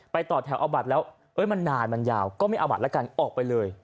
ต่อแถวเอาบัตรแล้วมันนานมันยาวก็ไม่เอาบัตรละกันออกไปเลย